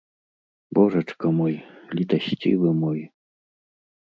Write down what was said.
Божачка мой, літасцівы мой!